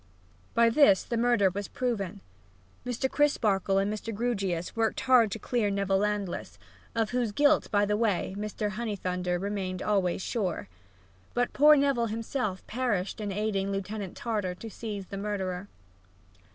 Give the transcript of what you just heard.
By this the murder was proven. Mr. Crisparkle and Mr. Grewgious worked hard to clear Neville Landless (of whose guilt, by the way, Mr. Honeythunder remained always sure), but poor Neville himself perished in aiding Lieutenant Tartar to seize the murderer.